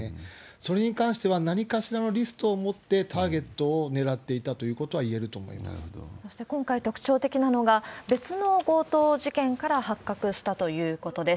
それに関しては、何かしらのリストを持ってターゲットを狙っていたということはいそして今回、特徴的なのが、別の強盗事件から発覚したということです。